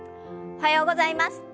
おはようございます。